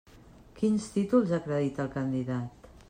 Quins títols acredita el candidat?